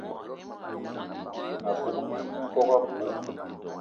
A bug minkok apoup